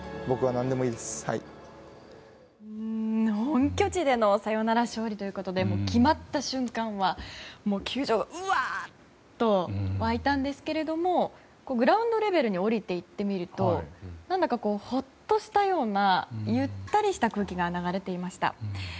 本拠地でのサヨナラ勝利ということで決まった瞬間は球場がウワーッと沸いたんですけどグラウンドレベルに下りていってみると、何だかほっとしたような、ゆったりした空気が流れていました。